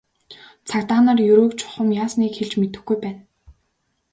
Цагдаа нар Ерөөг чухам яасныг хэлж мэдэхгүй байна.